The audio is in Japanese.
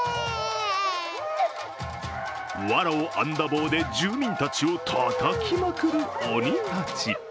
わらを編んだ棒で住民たちをたたきまくる鬼たち。